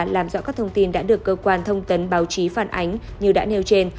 làm rõ các thông tin đã được cơ quan thông tấn báo chí phản ánh như đã nêu trên